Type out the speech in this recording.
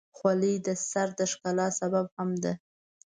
خولۍ د سر د ښکلا سبب هم ده.